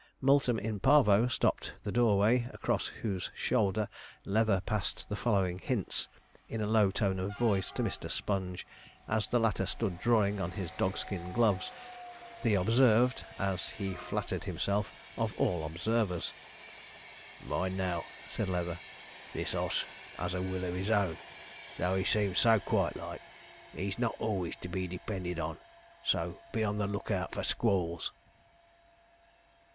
'Multum in Parvo' stopped the doorway, across whose shoulder Leather passed the following hints, in a low tone of voice, to Mr. Sponge, as the latter stood drawing on his dogskin gloves, the observed, as he flattered himself, of all observers. 'Mind now,' said Leather, 'this oss as a will of his own; though he seems so quiet like, he's not always to be depended on; so be on the look out for squalls.'